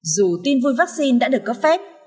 dù tin vui vắc xin đã được cấp phép